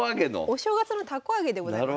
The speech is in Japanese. お正月のたこ揚げでございます。